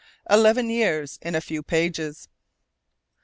ELEVEN YEARS IN A FEW PAGES.